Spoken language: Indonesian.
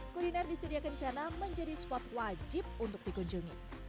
kuliner di surya kencana menjadi suatu wajib untuk dikunjungi